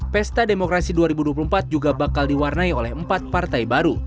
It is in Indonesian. pesta demokrasi dua ribu dua puluh empat juga bakal diwarnai oleh empat partai baru